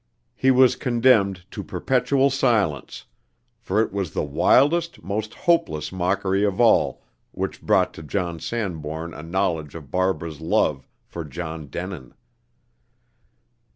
He was condemned to perpetual silence; for it was the wildest, most hopeless mockery of all which brought to John Sanbourne a knowledge of Barbara's love for John Denin.